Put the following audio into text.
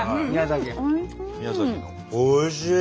おいしい！